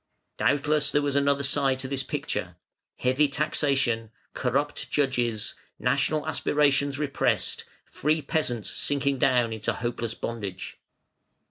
Doubtless there was another side to this picture: heavy taxation, corrupt judges, national aspirations repressed, free peasants sinking down into hopeless bondage.